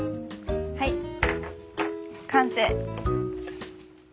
はい完成！